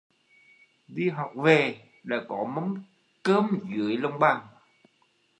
Đi học về đã có mâm cơm dưới lồng bàn